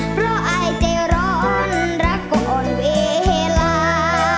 เพราะอายใจร้อนรักก่อนเวลา